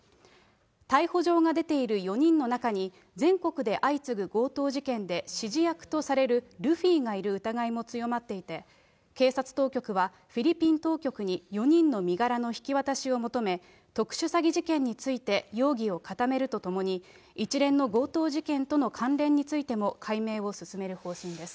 逮捕状が出ている４人の中に全国で相次ぐ強盗事件で指示役とされるルフィがいる疑いも強まっていて、警察当局は、フィリピン当局に４人の身柄の引き渡しを求め、特殊詐欺事件について容疑を固めるとともに、一連の強盗事件との関連についても解明を進める方針です。